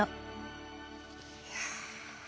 いや。